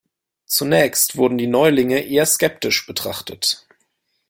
Zunächst wurden die Neulinge eher skeptisch betrachtet.